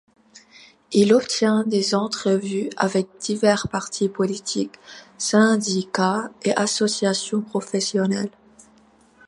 Il obtient des entrevues avec divers partis politiques, syndicats et associations professionnelles.